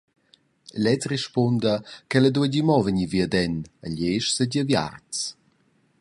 Lez rispunda ch’ella dueigi mo vegnir viaden, igl esch seigi aviarts.